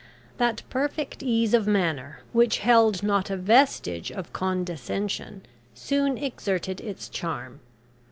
That perfect ease of manner, which held not a vestige of condescension, soon exerted its charm.